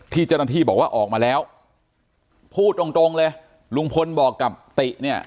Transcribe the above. ที่เจ้าหน้าที่บอกว่าออกมาแล้วพูดตรงตรงเลยลุงพลบอกกับติเนี่ย